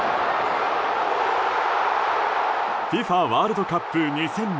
ＦＩＦＡワールドカップ２０２２。